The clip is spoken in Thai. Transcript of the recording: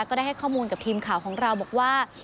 ก็ได้ให้ข้อมูลกับทีมข่าวของเราบอกว่า